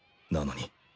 なのに